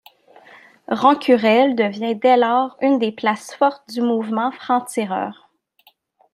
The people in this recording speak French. Rencurel devient dès lors une des places fortes du mouvement Franc-Tireurs.